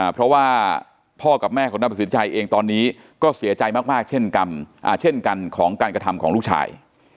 เพราะว่าพ่อกับแม่ของนายประสินชัยเองตอนนี้ก็เสียใจมากเช่นกันเช่นกันของการกระทำของลูกชาย